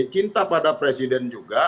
cinta pada presiden juga